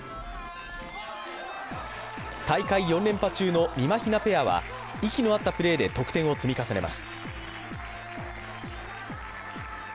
大会４連覇中のみまひなペアは、息の合ったプレーで得点を積み重ねます。